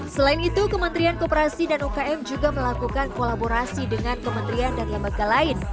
selain itu kementerian kooperasi dan ukm juga melakukan kolaborasi dengan kementerian dan lembaga lain